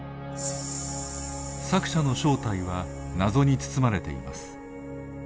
作者の正体は謎に包まれています。